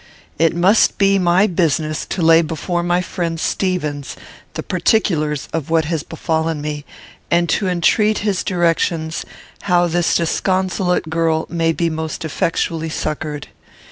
It must be my business to lay before my friend Stevens the particulars of what has befallen me, and to entreat his directions how this disconsolate girl may be most effectually succoured.